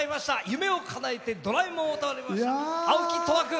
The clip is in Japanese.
「夢をかなえてドラえもん」を歌われましたあおき君。